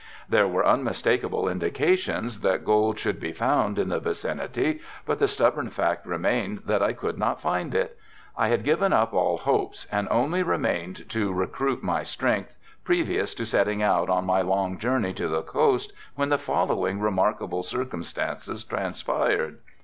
There were unmistakable indications that gold should be found in the vicinity but the stubborn fact remained that I could not find it. I had given up all hopes and only remained to recruit my strength previous to setting out on my long journey to the coast when the following remarkable circumstances transpired.